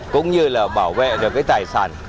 cũng như là bảo vệ được cái tài sản